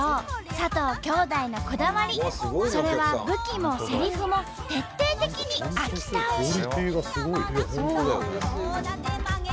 佐藤兄弟のこだわりそれは武器もせりふも徹底的に秋田推し。